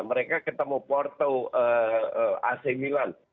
mereka ketemu porto ac milan